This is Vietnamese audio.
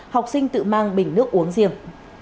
học sinh tự mang bình nước uống riêng